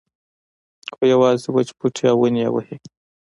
خو یوازې وچ بوټي او ونې یې وهي.